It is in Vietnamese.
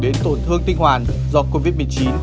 đến tổn thương tinh hoàn do covid một mươi chín